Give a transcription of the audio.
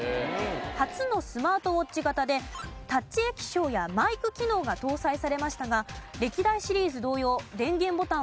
初のスマートウォッチ型でタッチ液晶やマイク機能が搭載されましたが歴代シリーズ同様電源ボタンはありません。